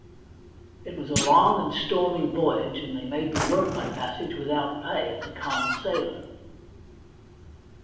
It was a long and stormy voyage, and they made me w^ork my passage without pay, as a common sailor.